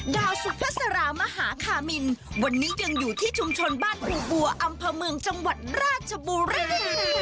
ดาวสุภาษารามหาคามินวันนี้ยังอยู่ที่ชุมชนบ้านครูบัวอำเภอเมืองจังหวัดราชบุรี